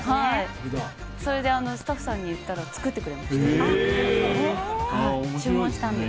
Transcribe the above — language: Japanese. それでスタッフさんに言ったら作ってくれました。